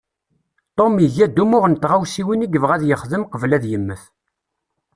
Tom iga-d umuɣ n tɣawsiwin i yebɣa ad yexdem qbel ad yemmet.